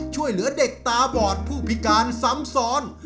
ช่วยเหลือเด็กตาบอดผู้พิการสำสรรค์